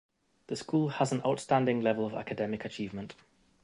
The school has an outstanding level of academic achievement.